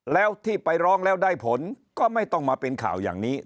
แล้วที่ไปร้องแล้วได้ผลก็ไม่ต้องมาเป็นข่าวอย่างนี้